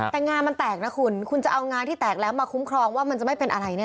แต่งามันแตกนะคุณคุณจะเอางาที่แตกแล้วมาคุ้มครองว่ามันจะไม่เป็นอะไรเนี่ย